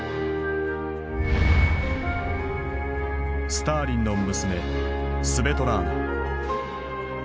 スターリンの娘スヴェトラーナ。